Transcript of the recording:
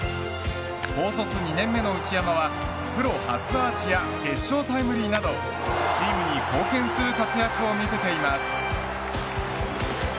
高卒２年目の内山はプロ初アーチや決勝タイムリーなどチームに貢献する活躍を見せています。